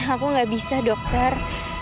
aku gak bisa dokter